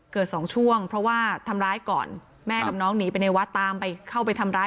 สองช่วงเพราะว่าทำร้ายก่อนแม่กับน้องหนีไปในวัดตามไปเข้าไปทำร้าย